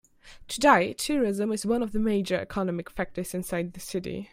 Today, tourism is one of the major economic factors inside the city.